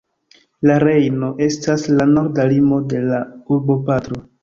La Rejno estas la norda limo de la urboparto.